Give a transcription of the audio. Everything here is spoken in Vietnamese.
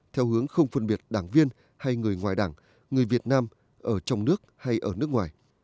theo hướng không phân biệt đảng viên hay người ngoài đảng người việt nam ở trong nước hay ở nước ngoài